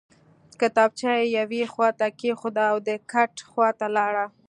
کتابچه یې یوې خواته کېښوده او د کټ خواته لاړ